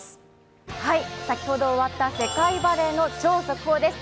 先ほど終わった世界バレーの超速報です。